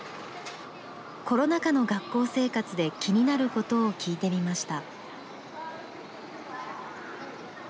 コロナ禍の学校生活で気になることを聞いてみました。